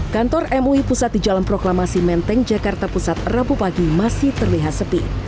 kantor mui pusat di jalan proklamasi menteng jakarta pusat rabu pagi masih terlihat sepi